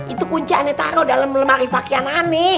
itu kunci aneh taro dalam lemari fakiran aneh